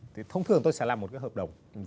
thì thông thường tôi sẽ làm một cái hợp đồng